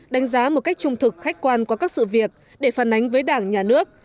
đánh giá một cách trung thực khách quan qua các sự việc để phản ánh với đảng nhà nước